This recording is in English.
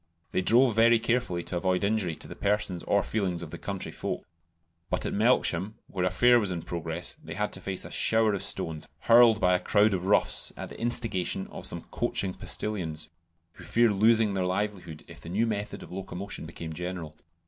They drove very carefully to avoid injury to the persons or feelings of the country folk; but at Melksham, where a fair was in progress, they had to face a shower of stones, hurled by a crowd of roughs at the instigation of some coaching postilions, who feared losing their livelihood if the new method of locomotion became general.